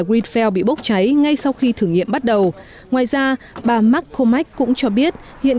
greenfield bị bốc cháy ngay sau khi thử nghiệm bắt đầu ngoài ra bà mccormack cũng cho biết hiện